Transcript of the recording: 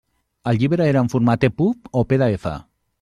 El llibre era en format EPUB o PDF?